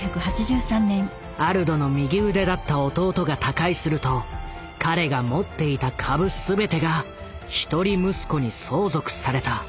アルドの右腕だった弟が他界すると彼が持っていた株全てが一人息子に相続された。